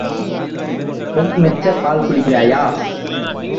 ஊர் மெச்சப் பால் குடிக்கிறாயா?